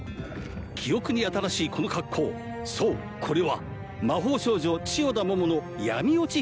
記憶に新しいこの格好そうこれは魔法少女千代田桃の闇堕ち